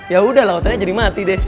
yaudah lah ototnya jadi mati deh